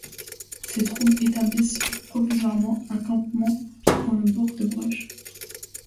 Ses troupes établissent provisoirement un campement dans le bourg de Bruch.